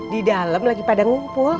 di dalam lagi pada ngumpul